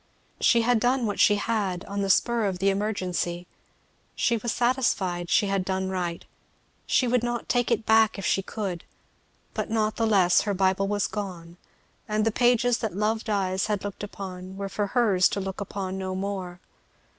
She had done what she had on the spur of the emergency she was satisfied she had done right; she would not take it back if she could; but not the less her Bible was gone, and the pages that loved eyes had looked upon were for hers to look upon no more.